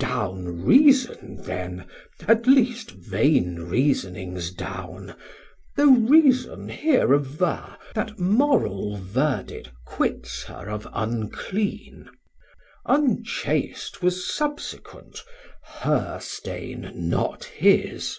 Down Reason then, at least vain reasonings down, Though Reason here aver That moral verdit quits her of unclean: Unchaste was subsequent, her stain not his.